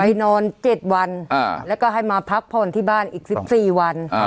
นอน๗วันแล้วก็ให้มาพักผ่อนที่บ้านอีก๑๔วัน